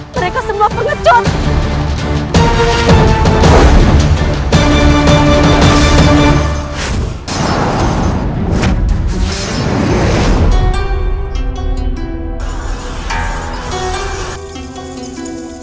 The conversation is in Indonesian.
mereka semua pengecut